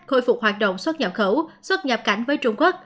khôi phục hoạt động xuất nhập khẩu xuất nhập cảnh với trung quốc